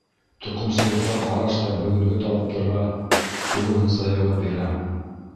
Тоҡомсолоҡҡа ҡараш та бөгөнгө талаптарға тулыһынса яуап бирә.